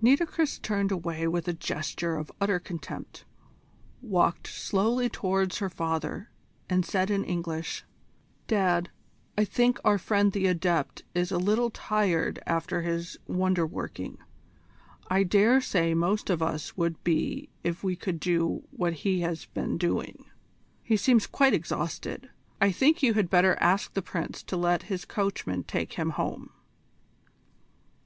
Nitocris turned away with a gesture of utter contempt, walked slowly towards her father, and said in English: "Dad, I think our friend the Adept is a little tired after his wonder working. I dare say most of us would be if we could do what he has been doing. He seems quite exhausted. I think you had better ask the Prince to let his coachman take him home."